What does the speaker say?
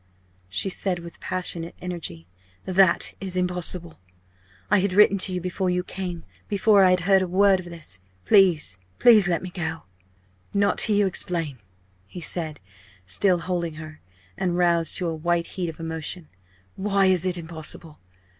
she said, with passionate energy, "that is impossible. I had written to you before you came, before I had heard a word of this. Please, please let me go!" "Not till you explain!" he said, still holding her, and roused to a white heat of emotion "why is it impossible?